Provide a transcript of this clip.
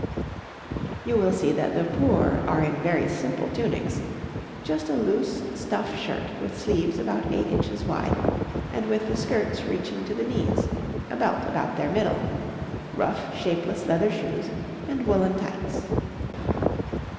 }] You will see that the poor are in very simple tunics just a loose, stuff shirt with sleeves about 8 inches wide, and with the skirts reaching to the knees, a belt about their middle rough, shapeless leather shoes, and woollen tights.